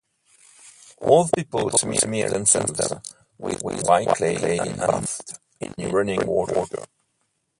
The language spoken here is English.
All the people smeared themselves with white clay and bathed in running water.